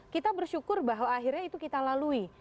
kita bersyukur bahwa akhirnya itu kita lalui